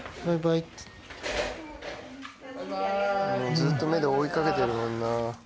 ずっと目で追い掛けてるもんな。